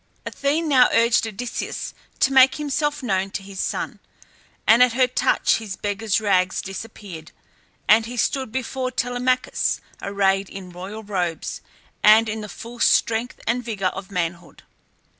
Athene now urged Odysseus to make himself known to his son; and at her touch his beggar's rags disappeared, and he stood before Telemachus arrayed in royal robes and in the full strength and vigour of manhood.